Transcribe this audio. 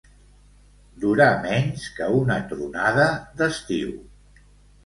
Durar menys que una tronada d'estiu.